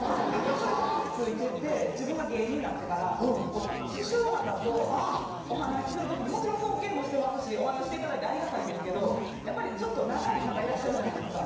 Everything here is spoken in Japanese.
それが身に付いてて自分が芸人になってから師匠方とお話しする時にもちろん尊敬もしてますしお話ししていただいてありがたいんですけどやっぱりちょっと長い方いらっしゃるじゃないですか。